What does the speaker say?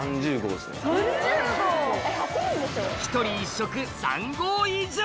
１人１食３合以上！